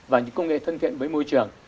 và những công nghệ thân thiện với môi trường